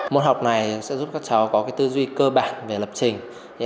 môn học này sẽ giúp các cháu có tư duy cơ bản về lập trình